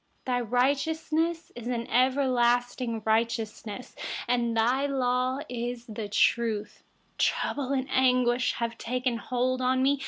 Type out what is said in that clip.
142Your righteousness is an everlasting righteousness. Your law is truth. 143Trouble and anguish have taken hold of me.